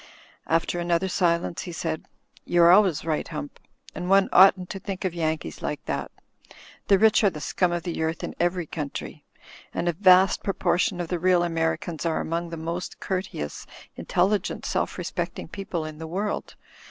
After another silence he said, "You're always right. Hump, and one oughtn't to think of Yankees like that. The rich are the scum of the earth in every country. And a vast proportion of the real Americans are among the most courteous, intelligent, self respect ing people in the world.